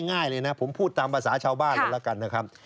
ง่ายเลยนะผมพูดตามภาษาชาวบ้านเลยละกันนะครับ